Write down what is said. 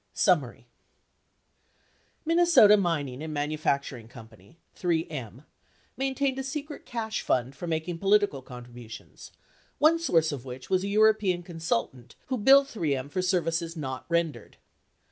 Summary Minnesota Mining and Manufacturing Co. (3 M) maintained a secret cash fund for making political contributions, one source of which was a European consultant who billed 3 M for services not rendered.